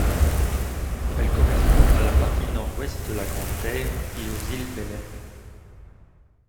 Elle correspond à la partie nord-ouest de la Grande Terre et aux îles Belep.